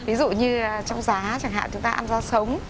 ví dụ như trong giá chẳng hạn chúng ta ăn ra sống